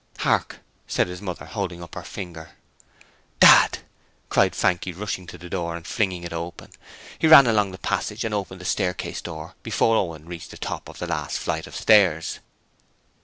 'Hark!' said his mother, holding up her finger. 'Dad!' cried Frankie, rushing to the door and flinging it open. He ran along the passage and opened the staircase door before Owen reached the top of the last flight of stairs.